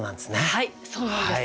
はいそうなんです。